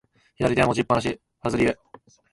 左手は持ちっぱなし、ファズリウ。